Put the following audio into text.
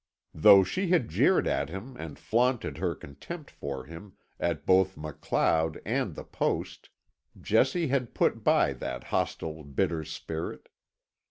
Though she had jeered at him and flaunted her contempt for him at both MacLeod and the post, Jessie had put by that hostile, bitter spirit.